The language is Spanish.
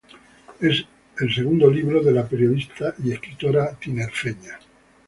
Es el segundo libro de la periodista y escritora tinerfeña.